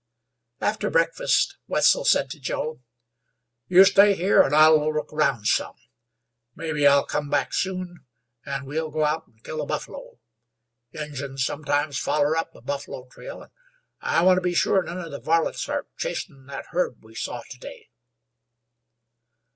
After breakfast Wetzel said to Joe: "You stay here, an' I'll look round some; mebbe I'll come back soon, and we'll go out an' kill a buffalo. Injuns sometimes foller up a buffalo trail, an' I want to be sure none of the varlets are chasin' that herd we saw to day."